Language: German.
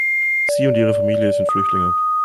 Sie und ihre Familie sind Flüchtlinge.